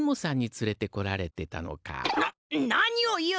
な何を言う！